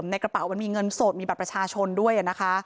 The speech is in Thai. ในกระเป๋ามันมีเงินสดมีบัตรประชาชนด้วยนะคะ